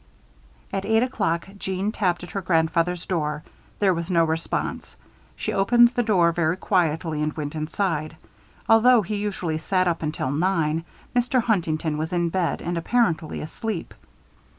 At eight o 'clock, Jeanne tapped at her grandfather's door. There was no response. She opened the door very quietly and went inside. Although he usually sat up until nine, Mr. Huntington was in bed and apparently asleep.